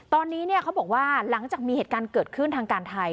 ตอนนี้เขาบอกว่าหลังจากมีเหตุการณ์เกิดขึ้นทางการไทย